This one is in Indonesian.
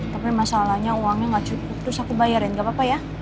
tapi masalahnya uangnya gak cukup terus aku bayarin gak apa apa ya